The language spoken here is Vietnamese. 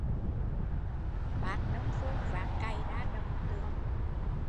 Bác nông phu vác cày ra đồng từ lúc mặt trời mới lố